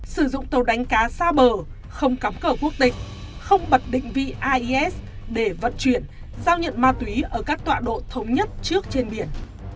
sử dụng tàu đánh cá xa bờ không cắm cờ quốc tịch không bật định vị ais để vận chuyển giao nhận ma túy ở các tọa độ thống nhất trước trên biển